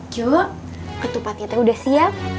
cu ketupatnya tuh udah siap